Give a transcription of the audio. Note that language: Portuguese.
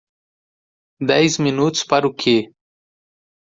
Dez minutos para o que?